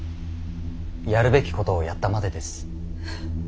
やるべきことをやったまでです。